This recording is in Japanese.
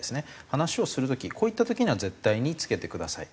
話をする時こういった時には絶対に着けてください。